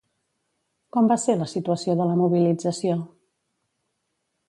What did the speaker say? Com va ser la situació de la mobilització?